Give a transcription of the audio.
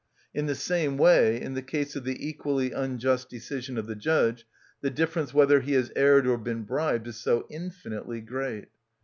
In the same way, in the case of the equally unjust decision of the judge, the difference, whether he has erred or been bribed, is so infinitely great.